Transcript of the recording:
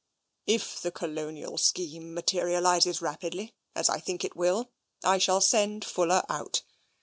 ." If the Colonial scheme materialises rapidly, as I think it will, I shall send Fuller out.